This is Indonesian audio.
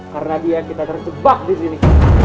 karena dia yang kita terjebak disini